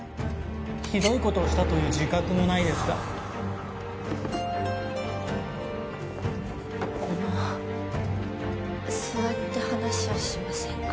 ひどいことをしたという自覚もないですかあの座って話をしませんか